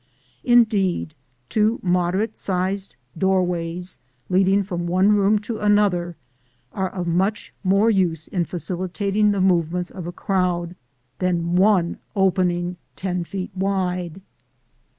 Indeed, two moderate sized doorways leading from one room to another are of much more use in facilitating the movements of a crowd than one opening ten feet wide.